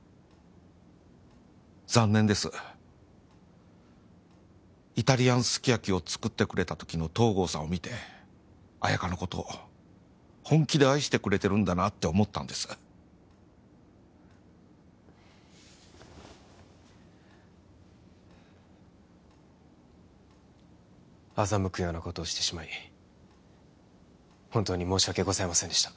残念ですイタリアンすき焼きを作ってくれた時の東郷さんを見て綾華のことを本気で愛してくれてるんだなって思ったんです欺くようなことをしてしまい本当に申し訳ございませんでした